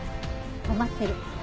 止まってる。